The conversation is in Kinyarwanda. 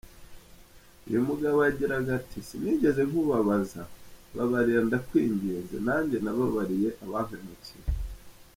Uyu mugabo yagiraga ati: "Sinigeze nkubabaza mbabarira ndakwinginze, nanjye nababariye abampemukiye".